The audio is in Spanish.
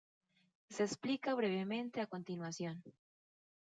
Se explica brevemente a continuación.